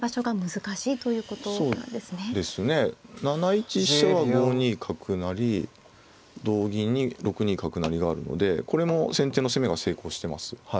７一飛車は５二角成同銀に６二角成があるのでこれも先手の攻めが成功してます。